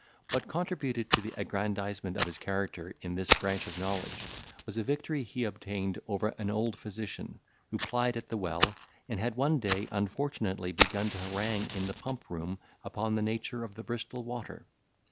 What contributed to the aggrandisement of his character in this branch of knowledge, was a victory he obtained over an old physician, who plied at the well, and had one day unfortunately begun to harangue in the pump room upon the nature of the Bristol water.